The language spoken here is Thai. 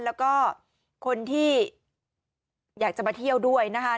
แล้วก็คนที่อยากจะมาเที่ยวด้วยนะคะ